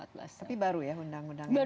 tapi baru ya undang undangnya